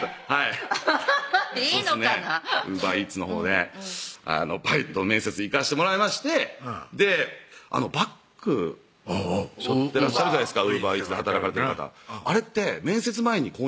アハハッいいのかなウーバーイーツのほうでバイトの面接行かしてもらいましてバッグしょってらっしゃるじゃないですかウーバーイーツで働かれてる方あれって面接前に購入できるんですよ